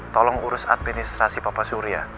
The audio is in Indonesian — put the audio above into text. tolong urus administrasi bapak surya